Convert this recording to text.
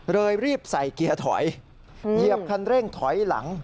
รีบใส่เกียร์ถอยเหยียบคันเร่งถอยหลัง